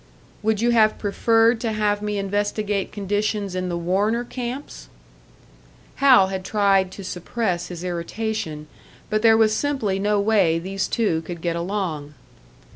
"Would you have preferred to have me investigate conditions in the Warner camps?" Hal had tried to suppress his irritation, but there was simply no way these two could get along.